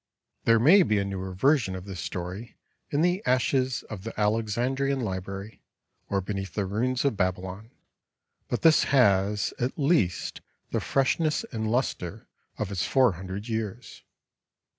'" There may be a newer version of this story in the ashes of the Alexandrian library or beneath the ruins of Babylon, but this has at least the freshness and luster of its four hundred years.